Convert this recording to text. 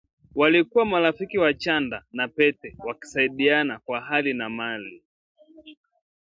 Walikuwa marafiki wa chanda na pete, wakisaidiana kwa hali na mali